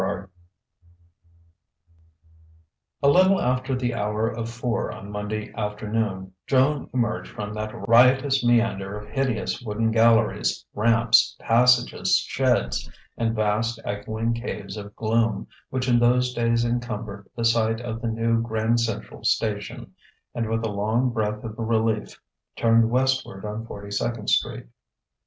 XXI A little after the hour of four on Monday afternoon, Joan emerged from that riotous meander of hideous wooden galleries, ramps, passages, sheds, and vast echoing caves of gloom, which in those days encumbered the site of the new Grand Central Station; and with a long breath of relief turned westward on Forty second Street.